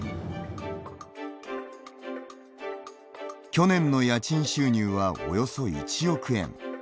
去年の家賃収入はおよそ１億円。